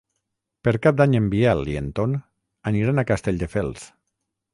Per Cap d'Any en Biel i en Ton aniran a Castelldefels.